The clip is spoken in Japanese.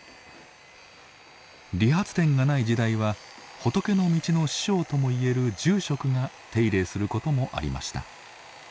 理髪店がない時代は仏の道の師匠ともいえる住職が手入れすることもありました。